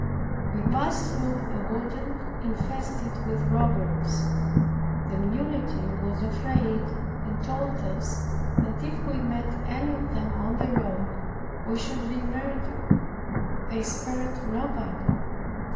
We passed through a wood infested with robbers. The muleteer was afraid, and told us, that, if we met any of them on the road, we should be murdered. They spared nobody.